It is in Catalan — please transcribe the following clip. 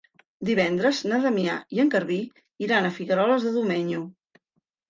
Divendres na Damià i en Garbí iran a Figueroles de Domenyo.